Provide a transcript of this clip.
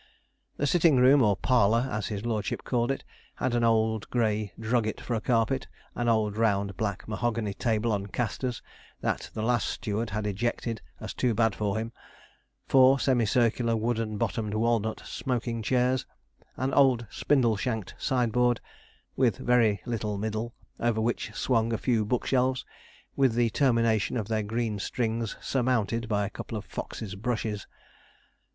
The sitting room, or parlour as his lordship called it, had an old grey drugget for a carpet, an old round black mahogany table on castors, that the last steward had ejected as too bad for him, four semi circular wooden bottomed walnut smoking chairs; an old spindle shanked sideboard, with very little middle, over which swung a few bookshelves, with the termination of their green strings surmounted by a couple of foxes' brushes.